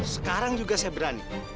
sekarang juga saya berani